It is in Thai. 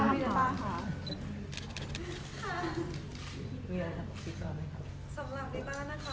ตัวริต้าอยากให้ความเชื่อมั่นนะคะ